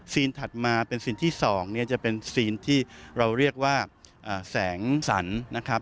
ซีนถัดมาเป็นซีนที่๒จะเป็นซีนที่เราเรียกว่าแสงสัน